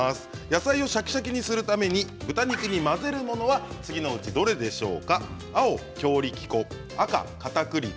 野菜をシャキシャキにするために豚肉に混ぜるものは次のうちどれでしょうか？